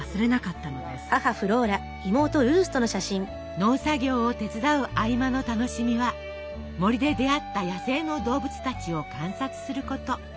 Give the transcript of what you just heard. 農作業を手伝う合間の楽しみは森で出会った野生の動物たちを観察すること。